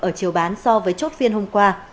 ở chiều bán so với chốt phiên hôm qua